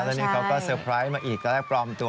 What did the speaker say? แล้วนี่เขาก็เตอร์ไพรส์มาอีกก็ได้ปลอมตัว